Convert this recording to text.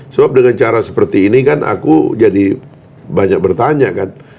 sebab dengan cara seperti ini kan aku jadi banyak bertanya kan